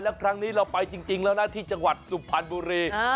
แล้วครั้งนี้เราไปจริงแล้วนะที่จังหวัดสุพรรณบุรี